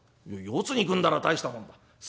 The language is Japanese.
「いや四つに組んだら大したもんだ。